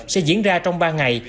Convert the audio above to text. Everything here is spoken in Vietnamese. sẽ diễn ra trong ba ngày